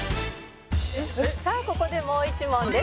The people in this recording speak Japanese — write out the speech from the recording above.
「さあここでもう１問です」